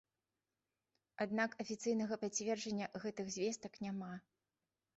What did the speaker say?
Аднак афіцыйнага пацверджання гэтых звестак няма.